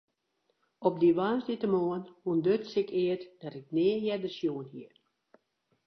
Op dy woansdeitemoarn ûntduts ik eat dat ik nea earder sjoen hie.